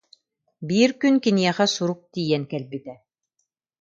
Биир күн киниэхэ сурук тиийэн кэлбитэ